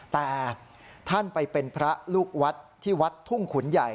แต่ท่านไปเป็นพระลูกวัดที่วัดทุ่งขุนใหญ่